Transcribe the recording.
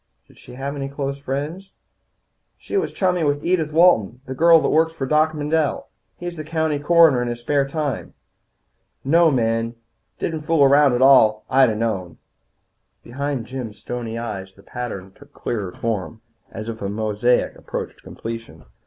"Did she have any close friends?" "She was chummy with Edith Walton, the girl that works for Doc Mendel. He's county coroner in his spare time. No men. Didn't fool around at all. I'd a known." Behind Jim's stony eyes the pattern took clearer form, as if a mosaic approached completion.